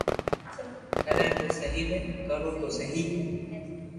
ڪري تو سھي ني ڪرو تو سھي